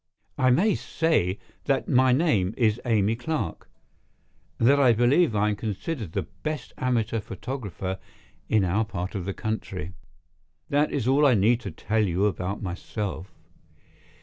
I may say that my name is Amy Clarke, and that I believe I am considered the best amateur photographer in our part of the country. That is all I need tell you about myself.